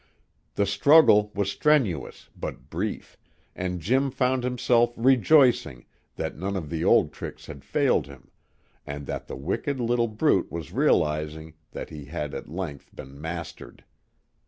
The struggle was strenuous but brief, and Jim found himself rejoicing that none of the old tricks had failed him, and that the wicked little brute was realizing that he had at length been mastered.